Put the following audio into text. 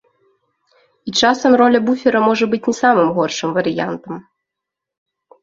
І часам роля буфера можа быць не самым горшым варыянтам.